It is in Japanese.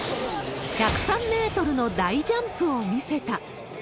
１０３メートルの大ジャンプを見せた。